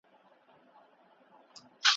هغه له خپلو وروڼو سره یو ځای کار کاوه.